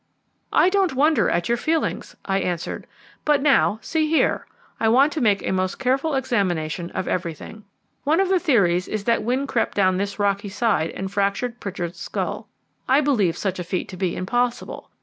"I don't wonder at your feelings," I answered; "but now, see here, I want to make a most careful examination of everything. One of the theories is that Wynne crept down this rocky side and fractured Pritchard's skull. I believe such a feat to be impossible.